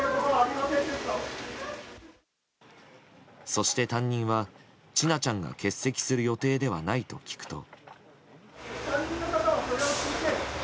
そして担任は千奈ちゃんが欠席する予定ではないと聞くと。